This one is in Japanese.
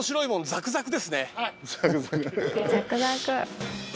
「ザクザク」